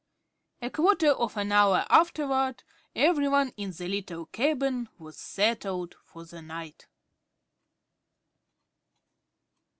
A quarter of an hour afterward, every one in the little cabin was settled for the night.